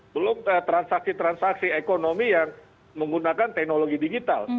belum transaksi transaksi ekonomi yang menggunakan teknologi digital